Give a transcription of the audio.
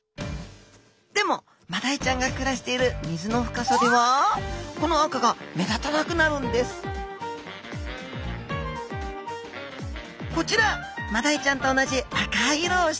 でもマダイちゃんが暮らしている水の深さではこの赤が目立たなくなるんですこちらマダイちゃんと同じ赤い色をしたエビスダイちゃん。